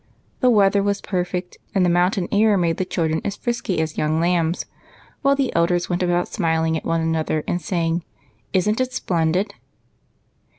The weather was perfect, and the mountain air made the children as frisky as young lambs ; while the elders went about smiling at one another, and saying, "Isn't it splendid?"